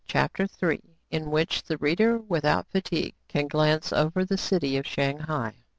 CHAPTER III. IN WHICH THE READER, WITHOUT FATIGUE, CAN GLANCE OVER THE CITY OF SHANG HAI.